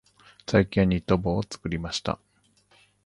最近はニット帽を作りました。